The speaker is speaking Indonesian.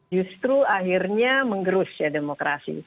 justru akhirnya menggerus ya demokrasi